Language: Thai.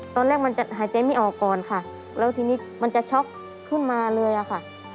ตอนแรกมันจะหายใจไม่ออกก่อนค่ะแล้วทีนี้มันจะช็อกขึ้นมาเลยอะค่ะ